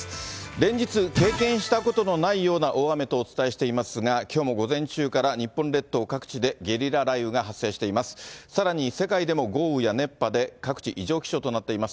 連日、経験したことのないような大雨とお伝えしていますが、きょうも午前中から、日本列島各地でゲリラ雷雨が発生しています。